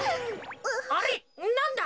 あれっなんだ？